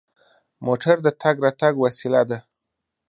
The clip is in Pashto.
موټر د تګ راتګ وسیله ده.